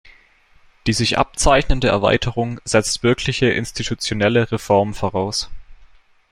Die sich abzeichnende Erweiterung setzt wirkliche institutionelle Reformen voraus.